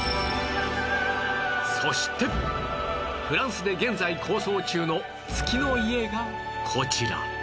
そしてフランスで現在構想中の月の家がこちら